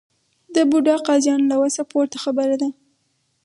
د بوډا قاضیانو له وسه پورته خبره ده.